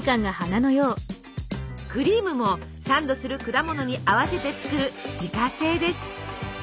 クリームもサンドする果物に合わせて作る自家製です。